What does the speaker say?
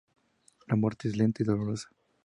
La muerte es lenta y dolorosa.